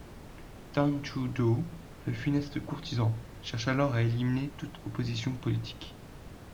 Trần Thủ Độ le funeste courtisan cherche alors à éliminer toute opposition politique.